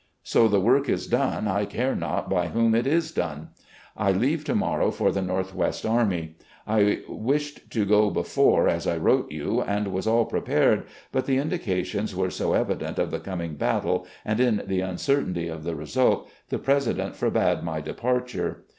So the work is done I care not by whom it is done, I leave to morrow for the Northwest Army, I wished to go before, as I wrote you, and was all prepared, but the indications were so evident of the coming battle, and in the \mcertainty of the result, the President forbade my departure.